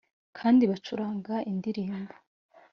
kandi bacuranga indirimbo